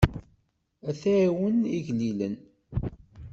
Ad tɛawen igellilen.